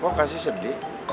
kok kasih sedih